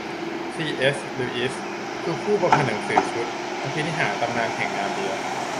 ซี. เอส. ลิวอิส คือ ผู้ประพันธ์หนังสือชุด อภินิหารตำนานแห่งนาร์เนีย